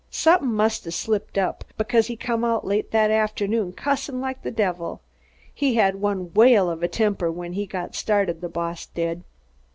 "Somethin' must 'a' slipped up, because he come out late that afternoon cussin' like the devil. He had one whale of a temper when he got started, the boss did.